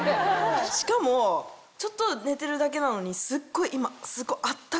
しかもちょっと寝てるだけなのにすっごい今。